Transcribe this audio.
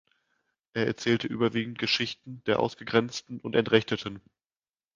Er erzählte überwiegend Geschichten der Ausgegrenzten und Entrechteten.